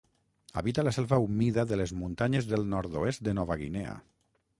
Habita la selva humida de les muntanyes del nord-oest de Nova Guinea.